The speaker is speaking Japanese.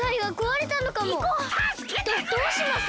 どっどうします？